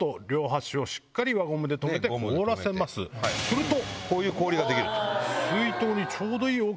すると。